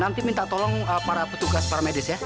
nanti minta tolong para petugas para medis ya